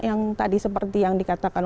yang tadi seperti yang dikatakan